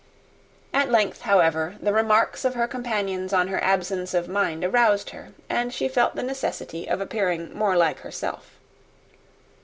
At length, however, the remarks of her companions on her absence of mind roused her, and she felt the necessity of appearing more like herself.